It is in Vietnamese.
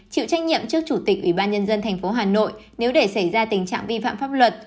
chịu trách nhiệm trước chủ tịch ủy ban nhân dân tp hà nội nếu để xảy ra tình trạng vi phạm pháp luật